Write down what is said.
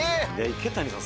・・池谷さん